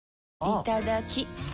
いただきっ！